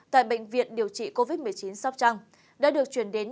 tại bệnh viện điều trị covid một mươi chín sóc trăng đã được chuyển đến